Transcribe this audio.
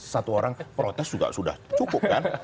satu orang protes juga sudah cukup kan